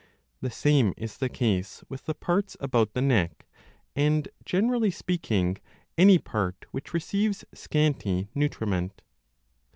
The same is the case with the parts about the neck and, generally speaking, any part which receives scanty nutriment.